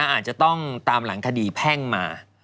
อาจจะต้องตามหลังคดีแพ่งมา